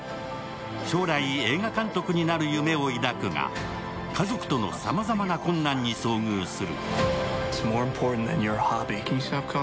将来、映画監督になる夢を描くが家族とのさまざまな困難に遭遇する。